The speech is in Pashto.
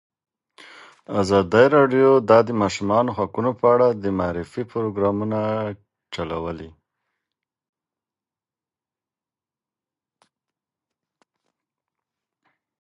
ازادي راډیو د د ماشومانو حقونه په اړه د معارفې پروګرامونه چلولي.